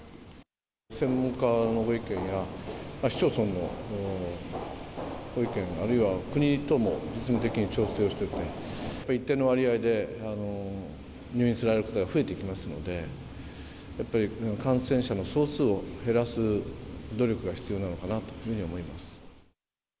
専門家のご意見や、市町村のご意見、あるいは国とも実務的に調整をしてて、一定の割合で入院される方が増えてきますので、やっぱり感染者の総数を減らす努力が必要なのかなというふうに思います。